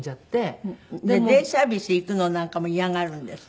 デイサービス行くのなんかも嫌がるんですって？